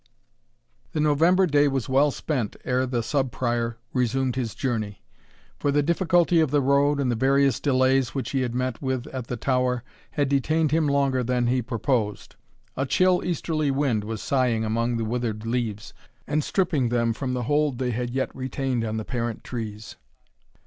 The November day was well spent ere the Sub Prior resumed his journey; for the difficulty of the road, and the various delays which he had met with at the tower, had detained him longer than he proposed. A chill easterly wind was sighing among the withered leaves, and stripping them from the hold they had yet retained on the parent trees.